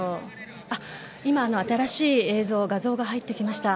今、新しい画像が入ってきました。